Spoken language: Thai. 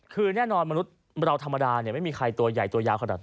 คือแน่นอนมนุษย์เราธรรมดาไม่มีใครตัวใหญ่ตัวยาวขนาดนั้น